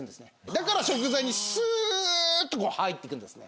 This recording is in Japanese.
だから食材にスーッと入ってくんですね。